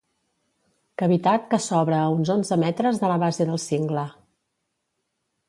Cavitat que s'obre a uns onze m de la base del cingle.